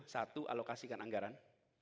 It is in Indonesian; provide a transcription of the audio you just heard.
satu alokasikan anggaran